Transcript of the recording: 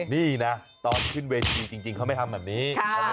นี่นะตอนขึ้นเวทีจริงเขาไม่ทำแบบนี้